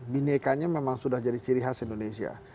bini ikanya memang sudah jadi ciri khas indonesia